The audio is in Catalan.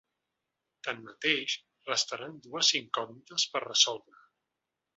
Tanmateix, restaran dues incògnites per resoldre.